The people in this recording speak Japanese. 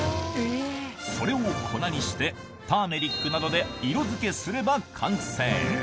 それを粉にして、ターメリックなどで色づけすれば完成。